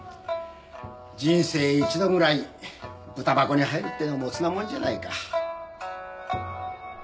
人生一度ぐらいブタ箱に入るっていうのも乙なもんじゃないか。